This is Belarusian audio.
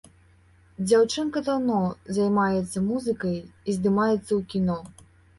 Дзяўчынка даўно займаецца музыкай і здымаецца ў кіно.